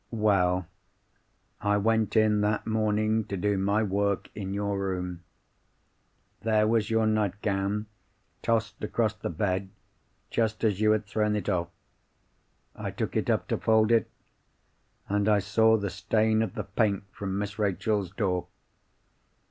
"Well, I went in that morning to do my work in your room. There was your nightgown tossed across the bed, just as you had thrown it off. I took it up to fold it—and I saw the stain of the paint from Miss Rachel's door!